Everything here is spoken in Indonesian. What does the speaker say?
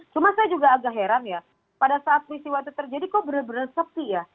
cuma saya juga agak heran ya pada saat peristiwa itu terjadi kok bener bener sepi ya